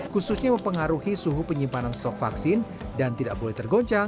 khususnya mempengaruhi suhu penyimpanan stok vaksin dan tidak boleh tergoncang